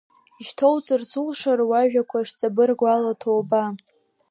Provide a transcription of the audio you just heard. Ишьҭоуҵарц улшару уажәақәа шҵабыргу ала ҭоуба?